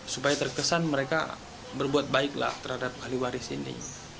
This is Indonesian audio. supaya terkesan mereka berbuat baiklah terhadap ahli waris ini